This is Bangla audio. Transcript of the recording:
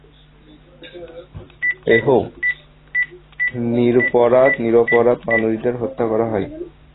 এহ, নিরপরাধ মানুষদের হত্যা করা হয়।